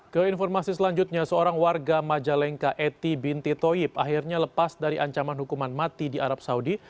keinformasi selanjutnya seorang warga majalengka eti binti toib akhirnya lepas dari ancaman hukuman mati di arab saudi